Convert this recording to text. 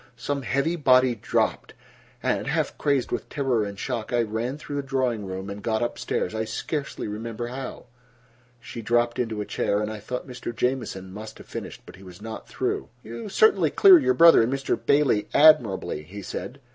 Some heavy body dropped, and, half crazed with terror and shock, I ran through the drawing room and got up stairs—I scarcely remember how." She dropped into a chair, and I thought Mr. Jamieson must have finished. But he was not through. "You certainly clear your brother and Mr. Bailey admirably," he said.